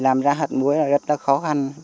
làm ra hạt muối rất khó khăn